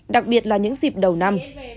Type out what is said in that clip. đặc biệt là những dịp đầu năm